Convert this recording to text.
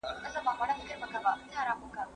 استازي چیري د بشري حقونو راپورونه وړاندي کوي؟